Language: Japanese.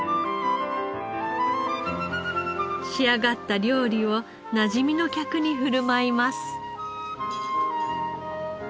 仕上がった料理をなじみの客に振る舞います。